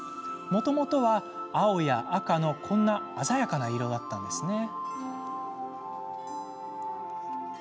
もともとは青や赤のこんな鮮やかな色だったんですね。